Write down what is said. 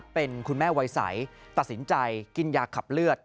เป็นคุณแม่วัยใสตัดสินใจกินยาขับเลือด